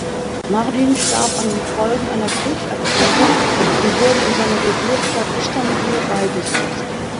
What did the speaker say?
Mardin starb an den Folgen einer Krebserkrankung und wurde in seiner Geburtsstadt Istanbul beigesetzt.